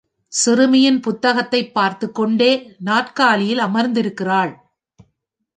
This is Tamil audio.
சிறுமி புத்தகத்தைப் பார்த்துக்கொண்டே நாற்காலியில் அமர்ந்திருக்கிறாள்.